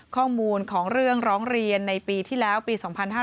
ข้อมูลของเรื่องร้องเรียนในปีที่แล้วปี๒๕๕๙